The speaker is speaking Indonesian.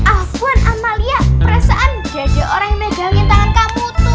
apun amalia perasaan biar aja orang yang megangin tangan kamu tuh